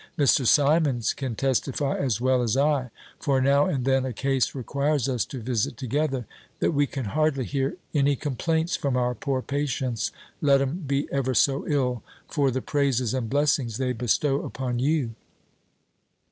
Mr. Simmonds can testify as well as I (for now and then a case requires us to visit together) that we can hardly hear any complaints from our poor patients, let 'em be ever so ill, for the praises and blessings they bestow upon you."